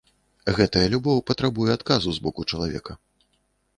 Гэтая любоў патрабуе адказу з боку чалавека.